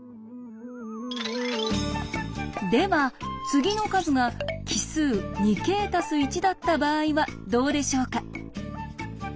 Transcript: では次の数が奇数だった場合はどうでしょうか？